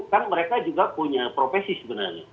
kan mereka juga punya profesi sebenarnya